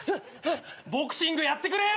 ボクシングやってくれよ！